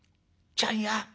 ちゃんや。